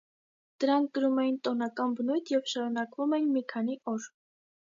Դրանք կրում էին տոնական բնույթ և շարունակվում էին մի քանի օր։